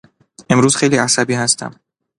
امروز خیلی عصبی هستم.